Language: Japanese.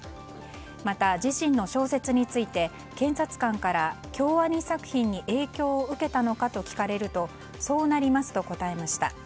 また、自身の小説について検察官から、京アニ作品に影響を受けたのかと聞かれるとそうなりますと答えました。